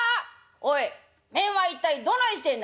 「おい雌は一体どないしてんな」。